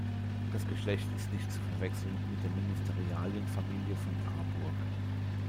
Das Geschlecht ist nicht zu verwechseln mit der Ministerialenfamilie von Aarburg.